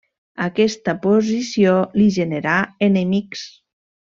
Aquesta posició li generà enemics.